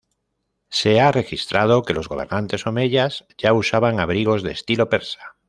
Se ha registrado que los gobernantes omeyas ya usaban abrigos de estilo persa.